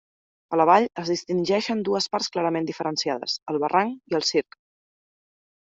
A la vall es distingeixen dues parts clarament diferenciades: el barranc i el circ.